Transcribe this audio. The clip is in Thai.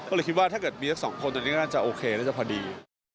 ก็เลยคิดว่าถ้าเกิดมีสัก๒คนอันนี้ก็อาจจะโอเคอาจจะพอดี